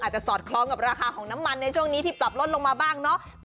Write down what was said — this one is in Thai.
สอดคล้องกับราคาของน้ำมันในช่วงนี้ที่ปรับลดลงมาบ้างเนาะ